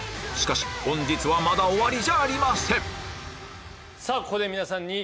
しかし本日はまだ終わりじゃありません！